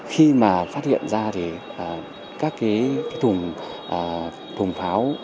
khi mà phát hiện ra thì các cái thùng pháo được đựng